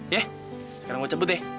sekarang gue cabut ya